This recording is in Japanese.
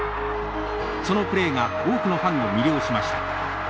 そのプレーが多くのファンを魅了しました。